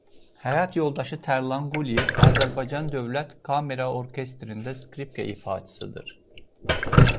Həyat yoldaşı Tərlan Quliyev Azərbaycan Dövlət Kamera Orkestrində skripka ifaçısıdır.